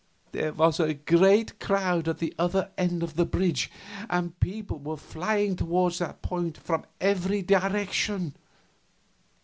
There was a great crowd at the other end of the bridge, and people were flying toward that point from every direction.